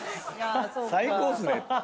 最高っすね。